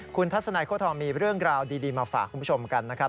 คุณทัศนัยโค้ทองมีเรื่องราวดีมาฝากคุณผู้ชมกันนะครับ